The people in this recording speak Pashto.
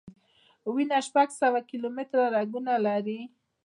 وینه شپږ سوه کیلومټره رګونه لري.